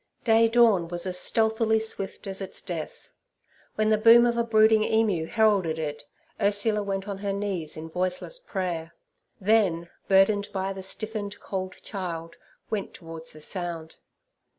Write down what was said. Day dawn was as stealthily swift as its death. When the boom of a brooding emu heralded it, Ursula went on her knees in voiceless prayer; then, burdened by the stiffened, cold child, went towards the sound.